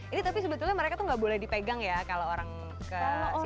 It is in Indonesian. ini tapi sebetulnya mereka tuh nggak boleh dipegang ya kalau orang ke sini